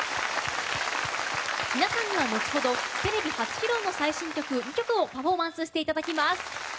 皆さんには後ほどテレビ初披露の最新曲２曲をパフォーマンスしていただきます。